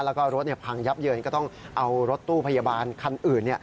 แล้วก็รถพังยับเยินก็ต้องเอารถตู้พยาบาลคันอื่น